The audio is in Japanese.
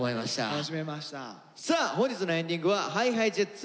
さあ本日のエンディングはＨｉＨｉＪｅｔｓ